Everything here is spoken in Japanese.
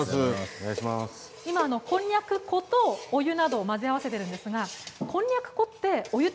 今、こんにゃく粉とお湯などを混ぜ合わせてるんですがこんにゃく粉はお湯と